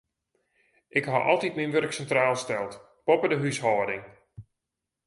Ik ha altyd myn wurk sintraal steld, boppe de húshâlding.